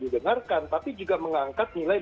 didengarkan tapi juga mengangkat nilai